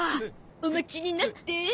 お待ちになって。